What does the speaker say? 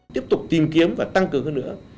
tiếp tục tìm kiếm và tăng cường hơn nữa